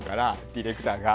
ディレクターが。